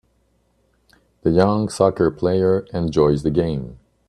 The young soccer player enjoys the game.